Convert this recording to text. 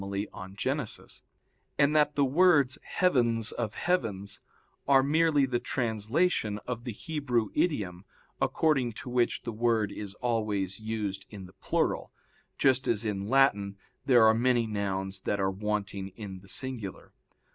iv in Gen.), and that the words 'heavens of heavens' are merely the translation of the Hebrew idiom according to which the word is always used in the plural, just as in Latin there are many nouns that are wanting in the singular.